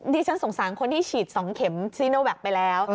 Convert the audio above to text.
ดิฉันสงสารคนที่ฉีด๒เข็มซีโนแวคไปแล้ว